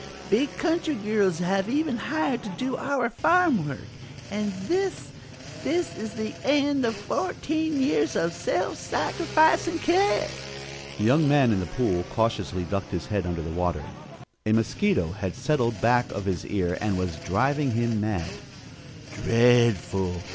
Big country girls have even been hired to do our farm work. And this, this is the end of fourteen years of self sacrificing care!" The young man in the pool cautiously ducked his head under the water. A mosquito had settled back of his ear and was driving him mad. "Dreadful!"